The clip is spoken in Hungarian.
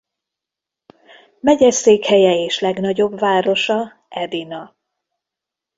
Megyeszékhelye és legnagyobb városa Edina.